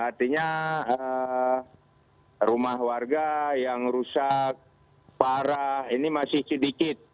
artinya rumah warga yang rusak parah ini masih sedikit